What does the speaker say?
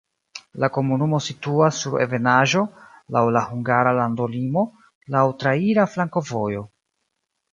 La komunumo situas sur ebenaĵo, laŭ la hungara landolimo, laŭ traira flankovojo.